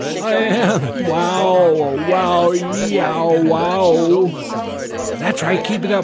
"I am. Wow ow wow. Y e o w wow!" "That's right, keep it up.